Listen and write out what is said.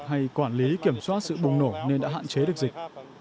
hay quản lý kiểm soát sự bùng nổ nên đã hạn chế được dịch